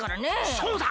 そうだ！